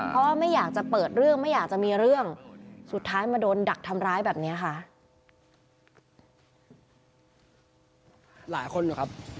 เพราะว่าไม่อยากจะเปิดเรื่องไม่อยากจะมีเรื่องสุดท้ายมาโดนดักทำร้ายแบบนี้ค่ะ